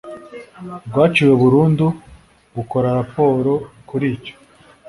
rwaciwe burundu bukora raporo kuri icyo